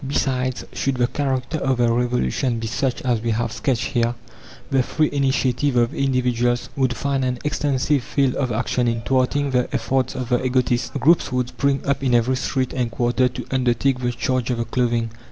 Besides, should the character of the Revolution be such as we have sketched here, the free initiative of individuals would find an extensive field of action in thwarting the efforts of the egotists. Groups would spring up in every street and quarter to undertake the charge of the clothing.